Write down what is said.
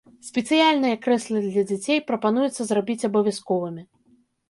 Спецыяльныя крэслы для дзяцей прапануецца зрабіць абавязковымі.